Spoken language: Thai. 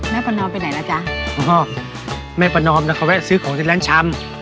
แม่ประนอมไปไหนแล้วจ้ะอ้อแม่ประนอมก็เขาแวะซื้อของที่แลนด์ชำ